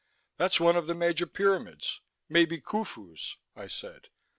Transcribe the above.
"That's one of the major pyramids, maybe Khufu's," I said.